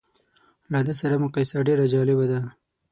له ده سره مقایسه ډېره جالبه ده.